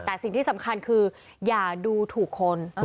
แต่สิ่งที่สำคัญคืออย่าดูถูกคน